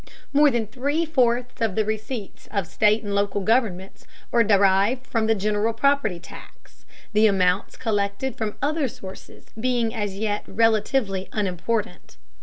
More than three fourths of the receipts of state and local governments are derived from the general property tax, the amounts collected from other sources being as yet relatively unimportant.